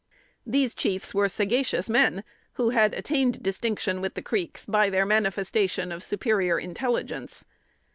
These chiefs were sagacious men, who had attained distinction with the Creeks by their manifestation of superior intelligence.